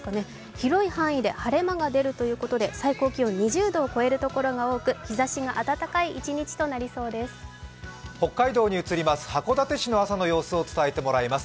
広い範囲で晴れ間が出るということで、最高気温２０度を超えるところが多く日ざしが暖かい一日となりそうです。